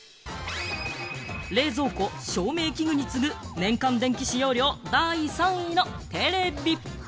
冷蔵庫、照明器具に次ぐ年間電気使用量第３位のテレビ。